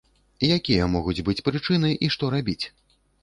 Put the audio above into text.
Якія могуць быць прычыны і што рабіць?